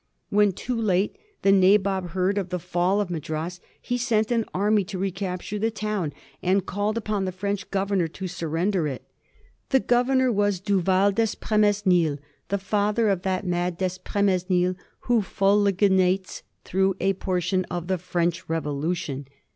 When, too late, the Nabob heard of the fall of Madras, he sent an army to recapture the town, and called upon the French governor to surrender it. The governor was Duval D^Espremesnil, the father of that mad D'Espre mesnil who f uliginates through a portion of the French Revolution.